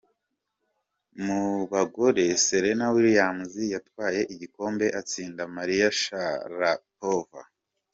Mu bagore, Serena Williams yatwaye igikombe atsinda Maria Sharapova.